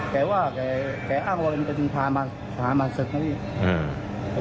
แกว่าแกอ้างว่าเป็นการพามาศาลมาศิษย์นะ